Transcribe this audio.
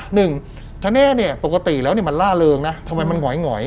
หนึ่งธนเนษย์ปกติแล้วมันล่าเริงนะทำไมมันหง่อย